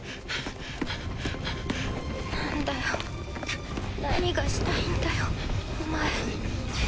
なんだよ何がしたいんだよお前。